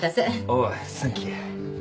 おうサンキュー。